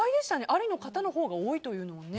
ありの方のほうが多いというのは。